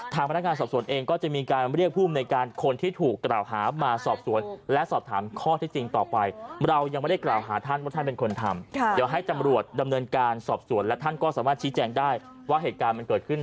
ทางพนักงานสอบสวนเองก็จะมีการเรียกพูด